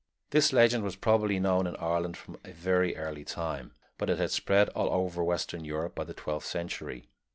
This legend was probably known in Ireland from a very early time, but it had spread over all western Europe by the twelfth century.